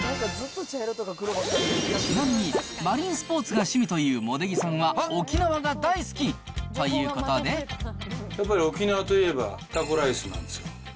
ちなみに、マリンスポーツが趣味という茂出木さんは、やっぱり沖縄といえば、タコライスなんですよ。